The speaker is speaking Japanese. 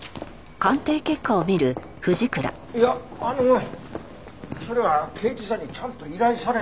いやあのそれは刑事さんにちゃんと依頼されて。